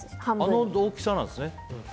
あの大きさなんですね。